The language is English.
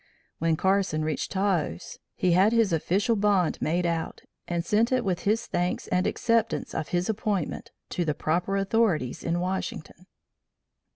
When Carson reached Taos, he had his official bond made out, and sent it with his thanks and acceptance of his appointment to the proper authorities in Washington.